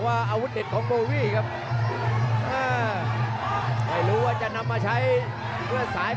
ไปล่าสุดที่เสมอกับนักชกญี่ปุ่นอย่างโยเนดาเทศจินดาแต่ไปปลายแซงเกือบผ่านครับ